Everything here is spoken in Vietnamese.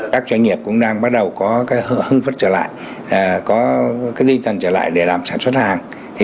các doanh nghiệp cũng đang bắt đầu có hương phức trở lại có linh tần trở lại để làm sản xuất hàng